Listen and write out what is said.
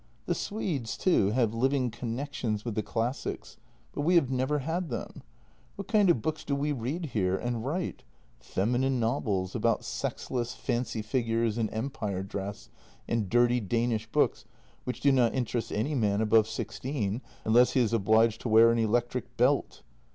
The Swedes, too, have living connections with the classics — but we have never had them. What kind of books do we read here — and write ?— feminine novels about sexless fancy fig ures in empire dress, and dirty Danish books, which do not interest any man above sixteen, unless he is obliged to wear an electric belt.